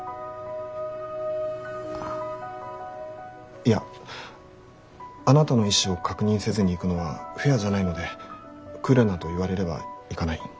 いやあなたの意思を確認せずに行くのはフェアじゃないので来るなと言われれば行かない。